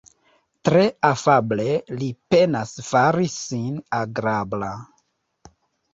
Tre afable li penas fari sin agrabla.